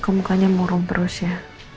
ke mukanya murung terus ya